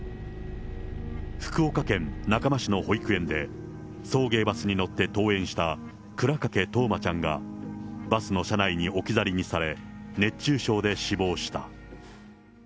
福岡県中間市の保育園で送迎バスに乗って登園した倉掛冬生ちゃんが、バスの車内に置き去りにされ、熱中症で死亡した。